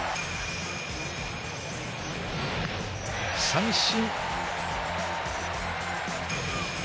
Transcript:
三振。